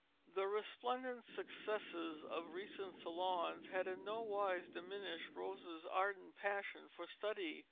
] The resplendent successes of recent Salons had in no wise diminished Rosa Bonheur's ardent passion for study.